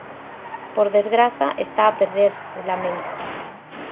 "Por desgraza, está a perderse", lamenta.